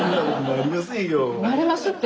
なれますって。